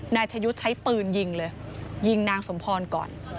นายชะยุทธ์ใช้ปืนยิงเลยยิงนางสมพรก่อน